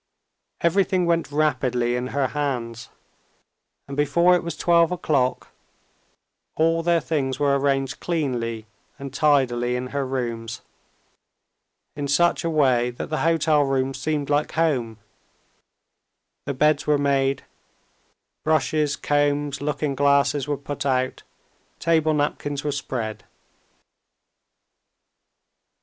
Everything went rapidly in her hands, and before it was twelve o'clock all their things were arranged cleanly and tidily in her rooms, in such a way that the hotel rooms seemed like home: the beds were made, brushes, combs, looking glasses were put out, table napkins were spread.